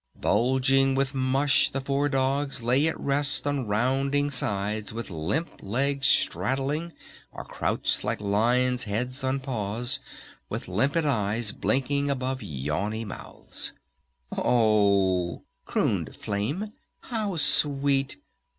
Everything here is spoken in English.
Bulging with mush the four dogs lay at rest on rounding sides with limp legs straggling, or crouched like lions' heads on paws, with limpid eyes blinking above yawny mouths. "O h," crooned Flame. "How sweet!